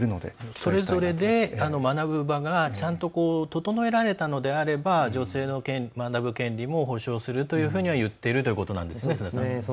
それぞれで学ぶ場がちゃんと整えられたのであれば女性の学ぶ権利も保障するというふうにはいっているということなんですね。